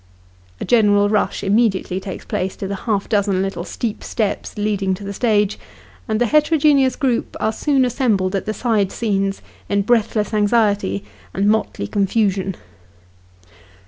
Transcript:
A general rush immediately takes place to the half dozen little steep steps leading to the stage, and the heterogeneous group are soon assembled at the side scenes, in breathless anxiety and motley confusion.